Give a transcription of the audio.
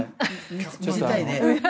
見せたいね。